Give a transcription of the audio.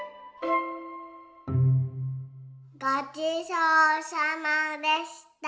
ごちそうさまでした。